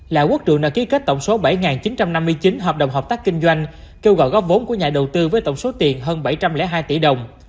lã quốc trưởng đã ký kết tổng số bảy chín trăm năm mươi chín hợp đồng hợp tác kinh doanh kêu gọi góp vốn của nhà đầu tư với tổng số tiền hơn bảy trăm linh hai tỷ đồng